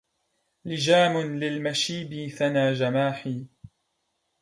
لجام للمشيب ثنى جماحي